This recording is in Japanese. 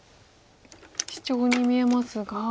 シチョウに見えますが。